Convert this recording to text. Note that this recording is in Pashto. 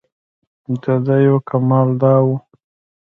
دده یو کمال دا و.